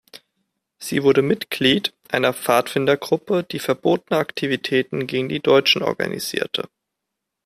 Sie wurde Mitglied einer Pfadfindergruppe, die verbotene Aktivitäten gegen die Deutschen organisierte.